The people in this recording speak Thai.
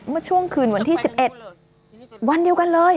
เมื่อช่วงคืนวันที่๑๑วันเดียวกันเลย